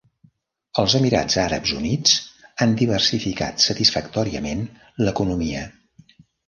Els Emirats Àrabs Units han diversificat satisfactòriament l'economia.